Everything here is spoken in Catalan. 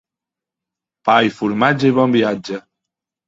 Pa i formatge i bon viatge.